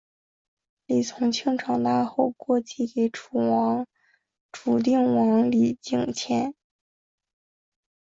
李从庆长大后过继给楚定王李景迁。